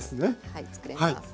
はい作れます。